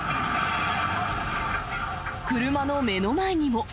車の目の前にも。